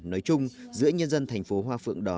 nói chung giữa nhân dân thành phố hoa phượng đỏ